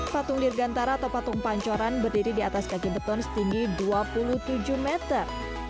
patung dirgantara atau patung pancoran berdiri di atas kaki beton setinggi dua puluh tujuh meter